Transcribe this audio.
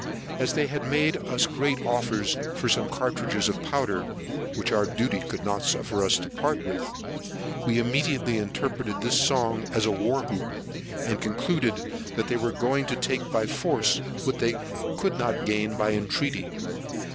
As they had made us great offers for some cartridges of powder, which our duty could not suffer us to part with, we immediately interpreted this song into the war hoop, and concluded, that they were going to take by force what they could not gain by entreaty.